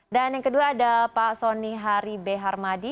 dan yang kedua ada pak soni hari b harmadi